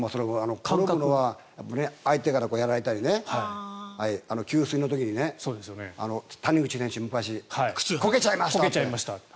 ないですけど転ぶのは相手からやられたり給水の時に昔、谷口選手こけちゃいましたって。